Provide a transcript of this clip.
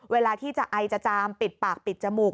เวลาที่จะไอจะจามปิดปากปิดจมูก